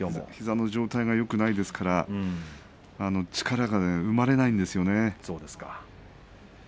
膝の状態がよくないですから力が生まれないんですね。